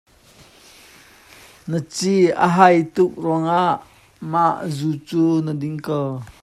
Na ci a hai tuk ruangah ma zu cu na din ko?